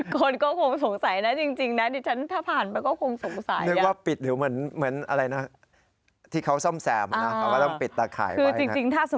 คนก็คงสงสัยนะจริงนะ